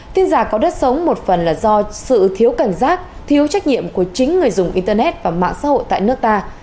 tin giả có đất sống một phần là do sự thiếu cảnh giác thiếu trách nhiệm của chính người dùng internet và mạng xã hội tại nước ta